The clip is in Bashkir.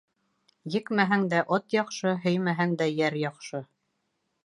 Екмәһәң дә ат яҡшы, һөймәһәң дә йәр яҡшы.